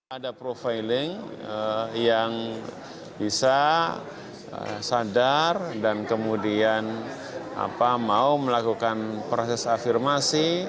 ada profiling yang bisa sadar dan kemudian mau melakukan proses afirmasi